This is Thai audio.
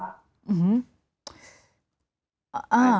อืม